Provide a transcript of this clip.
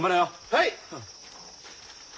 はい！